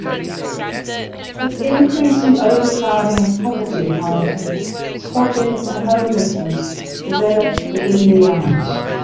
With increasing overcrowding and poverty, however, squatting and homelessness developed within the yards.